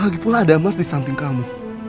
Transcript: lagipula ada mas di samping kamu